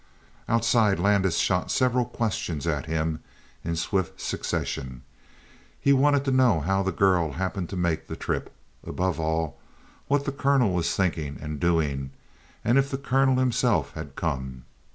Outside Landis shot several questions at him in swift succession; he wanted to know how the girl had happened to make the trip. Above all, what the colonel was thinking and doing and if the colonel himself had come.